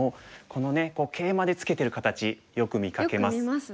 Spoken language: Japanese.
このねケイマでツケてる形よく見かけます。